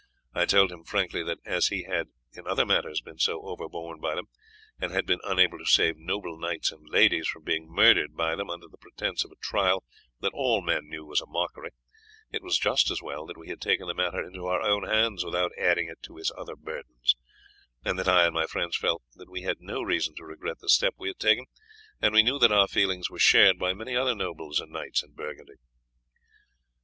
I told him frankly that as he had in other matters been so overborne by them, and had been unable to save noble knights and ladies from being murdered by them under the pretence of a trial that all men knew was a mockery, it was just as well that we had taken the matter into our own hands without adding it to his other burdens; and that I and my friends felt that we had no reason to regret the step we had taken, and we knew that our feelings were shared by many other nobles and knights in Burgundy.